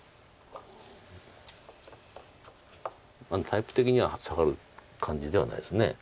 タイプ的にはサガる感じではないです。